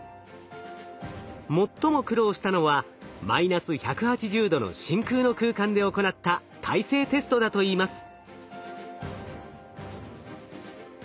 最も苦労したのはマイナス１８０℃の真空の空間で行った耐性テストだといいます。